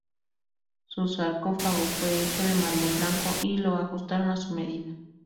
Su sarcófago fue hecho de mármol blanco y lo ajustaron a su medida.